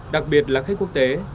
đặc biệt là khách quốc tế